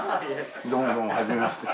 どうもどうもはじめまして。